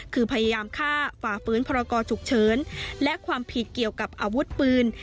คือพยายามฆ่าฝ่าฟื้นพรกรฉุกเฉินและความผิดเกี่ยวกับอาวุธปืน